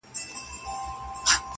ما او ازل دواړو اورېدل چي توپان څه ویل٫